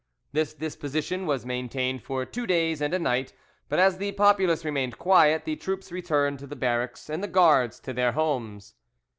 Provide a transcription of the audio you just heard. This disposition was maintained for two days and a night, but as the populace remained quiet, the troops returned to the barracks and the Guards to their homes.